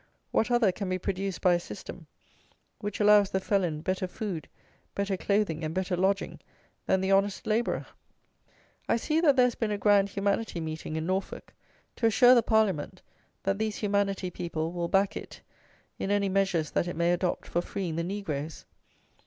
What other can be produced by a system, which allows the felon better food, better clothing, and better lodging than the honest labourer? I see that there has been a grand humanity meeting in Norfolk to assure the Parliament that these humanity people will back it in any measures that it may adopt for freeing the NEGROES.